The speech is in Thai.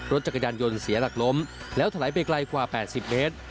รถจักรยานยนต์เสียหลักล้มแล้วถลายไปไกลกว่า๘๐เมตร